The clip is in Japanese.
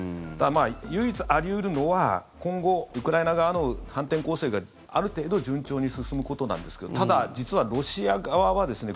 唯一あり得るのは今後、ウクライナ側の反転攻勢がある程度順調に進むことなんですけどただ、実はロシア側はですね